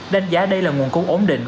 đánh giá đây là nguồn cung ổn định